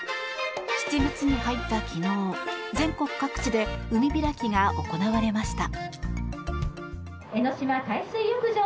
７月に入った昨日、全国各地で海開きが行われました。